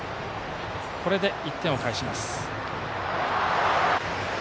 これで１点を返します。